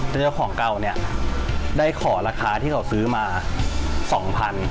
เจ้าของเก่าเนี่ยได้ขอราคาที่เขาซื้อมา๒๐๐บาท